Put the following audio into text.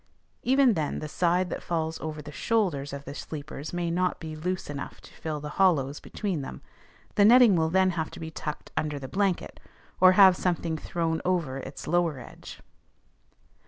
Even then the side that falls over the shoulders of the sleepers may not be loose enough to fill the hollows between them; the netting will then have to be tucked under the blanket, or have something thrown over its lower edge.